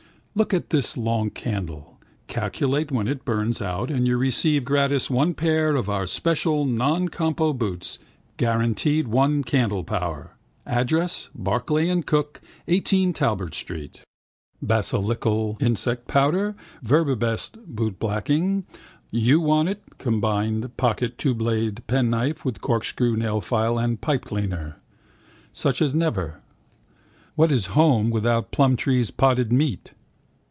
Look at this long candle. Calculate when it burns out and you receive gratis 1 pair of our special non compo boots, guaranteed 1 candle power. Address: Barclay and Cook, 18 Talbot street. Bacilikil (Insect Powder). Veribest (Boot Blacking). Uwantit (Combined pocket twoblade penknife with corkscrew, nailfile and pipecleaner). Such as never? What is home without Plumtree's Potted Meat?